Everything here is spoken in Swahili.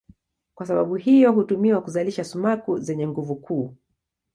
Kwa sababu hiyo hutumiwa kuzalisha sumaku zenye nguvu kuu.